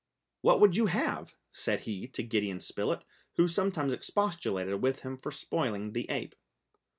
"What would you have?" said he to Gideon Spilett, who sometimes expostulated with him for spoiling the ape.